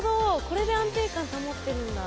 これで安定感保ってるんだ。